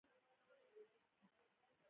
ټولو غونډيو ته کتل.